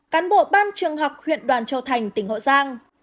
cán bộ ban trường học huyện đoàn châu thành tỉnh hậu giang